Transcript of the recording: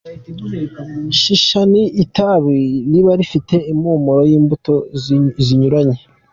Shisha ni itabi riba rifite impumuro y’imbuto zinyuranye.